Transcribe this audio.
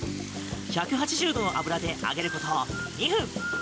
１８０度の油で揚げること２分。